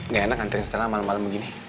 gak enak nganterin stella malem malem begini